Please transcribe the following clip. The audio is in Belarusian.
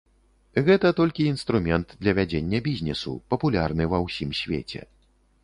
Гэта толькі інструмент для вядзення бізнесу, папулярны ва ўсім свеце.